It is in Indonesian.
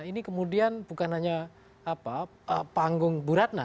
ini kemudian bukan hanya panggung bu ratna